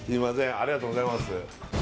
ありがとうございます